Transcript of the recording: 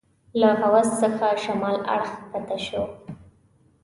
له حوض څخه شمال اړخ کښته شوو.